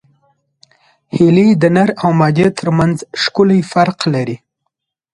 هیلۍ د نر او مادې ترمنځ ښکلی فرق لري